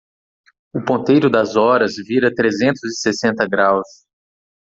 O ponteiro das horas vira trezentos e sessenta graus